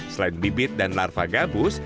selain bibit dan larva gabus